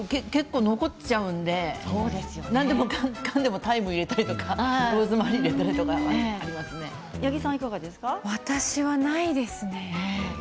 結構、残ってしまうので何でもかんでもタイムを入れたりローズマリーを入れたり私はないですね。